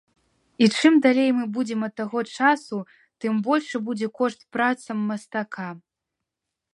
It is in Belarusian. І чым далей мы будзем ад таго часу, тым большы будзе кошт працам мастака.